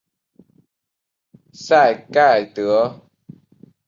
赛盖德。